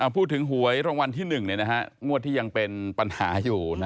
หวยรางวัลที่๑งวดที่ยังเป็นปัญหาอยู่